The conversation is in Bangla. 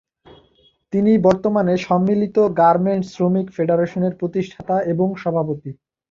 তিনি বর্তমানে সম্মিলিত গার্মেন্টস শ্রমিক ফেডারেশনের প্রতিষ্ঠাতা এবং সভাপতি।